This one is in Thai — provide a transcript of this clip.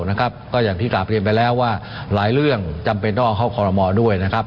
แนวปลอดิษรกษ์ลูกภัยกษ์นั้น